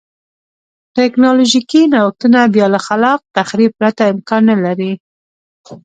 ټکنالوژیکي نوښتونه بیا له خلاق تخریب پرته امکان نه لري.